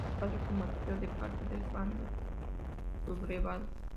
Su padre combatió de parte del bando sublevado.